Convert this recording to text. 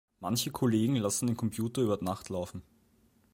Manche Kollegen lassen den Computer über Nacht laufen.